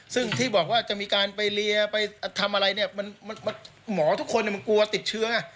ซึ่งที่บอกว่าจะมีการไปเรียไปทำอะไรเนี่ยมันหมอทุกคนมันกลัวติดเชื้อไง